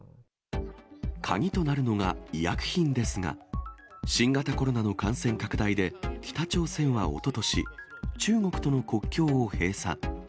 鍵となるのが医薬品ですが、新型コロナの感染拡大で、北朝鮮はおととし、中国との国境を閉鎖。